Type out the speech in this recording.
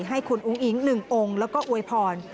ให้คุณอุ้งอิ๊ง๑องค์แล้วก็อวยพร